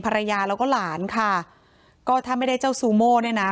ภรรยาแล้วก็หลานค่ะก็ถ้าไม่ได้เจ้าซูโม่เนี่ยนะ